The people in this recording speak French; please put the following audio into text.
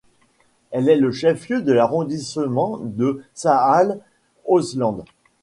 Elle est le chef lieu de l'arrondissement de Saale-Holzland.